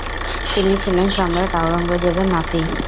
তিনি ছিলেন সম্রাট আওরঙ্গজেবের নাতি।